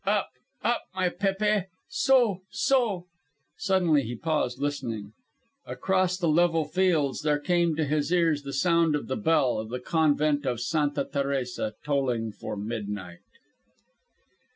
"Up, up, my Pépe. Soh, soh." Suddenly he paused, listening. Across the level fields there came to his ears the sound of the bell of the convent of Santa Teresa tolling for midnight.